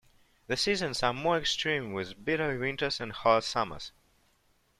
The seasons are more extreme with bitter winters and hot summers.